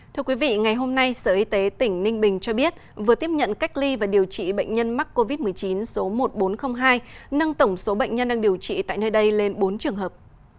thưa quý vị ngày hôm nay sở y tế tỉnh ninh bình cho biết vừa tiếp nhận cách ly và điều trị bệnh nhân mắc covid một mươi chín số một nghìn bốn trăm linh hai nâng tổng số bệnh nhân đang điều trị tại nơi đây lên bốn trường hợp